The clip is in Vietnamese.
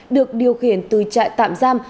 được điều khiển từ trại tạm giam